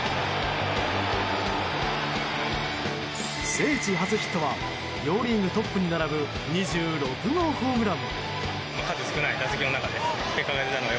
聖地初ヒットは両リーグトップに並ぶ２６号ホームラン。